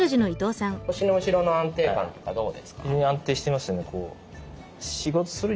腰の後ろの安定感とかどうですか？